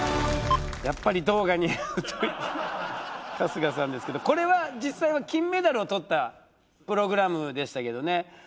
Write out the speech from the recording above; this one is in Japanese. やっぱり動画になると春日さんですけどこれは実際は金メダルをとったプログラムでしたけどね